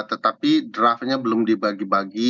tetapi draftnya belum dibagi bagi